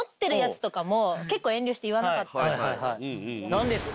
何ですか？